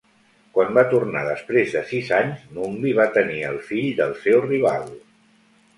Quan va tornar després de sis anys, Mumbi va tenir el fill del seu rival.